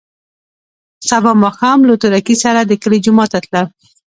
سبا ماښام له تورکي سره د کلي جومات ته تلم.